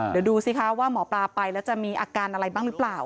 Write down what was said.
เดี๋ยวดูสิคะว่าหมอปลาไปแล้วจะมีอาการอะไรบ้างหรือเปล่า